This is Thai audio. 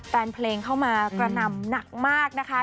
แฟนเพลงเข้ามากระหน่ำหนักมากนะคะ